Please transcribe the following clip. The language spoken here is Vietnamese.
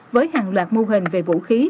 với hàng loạt mô hình về vũ khí